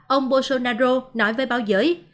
ông bolsonaro nói với báo giới